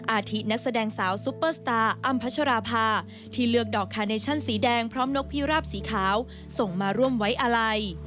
อาทินักแสดงสาวซุปเปอร์สตาร์อ้ำพัชราภาที่เลือกดอกคาเนชั่นสีแดงพร้อมนกพิราบสีขาวส่งมาร่วมไว้อาลัย